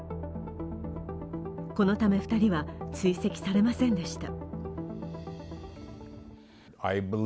このため２人は追跡されませんでした。